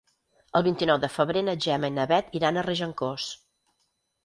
El vint-i-nou de febrer na Gemma i na Bet iran a Regencós.